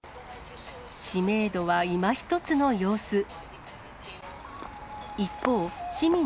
知名度はいまひとつの様子。